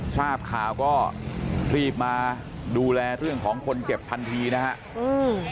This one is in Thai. ทราบข่าวก็รีบมาดูแลเรื่องของคนเจ็บทันทีนะครับ